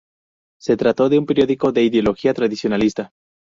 Se trató de un periódico de ideología tradicionalista.